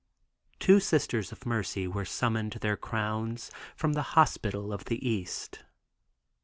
Two Sisters of Mercy were summoned to their crowns from the hospitals of the East.